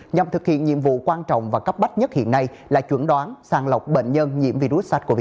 nhằm thực hiện nhiệm vụ quan trọng và cấp bách nhất hiện nay là chuẩn đoán sàng lọc bệnh nhân nhiễm virus sars cov hai